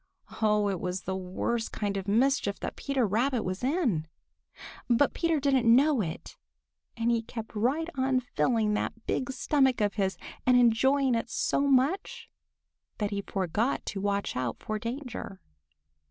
Oh, it was the very worst kind of mischief that Peter Rabbit was in. But Peter didn't know it, and he kept right on filling that big stomach of his and enjoying it so much that he forgot to watch out for danger.